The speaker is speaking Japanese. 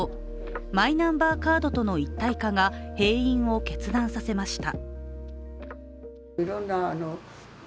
マイナンバーカードとの一体化が閉院を決断させました。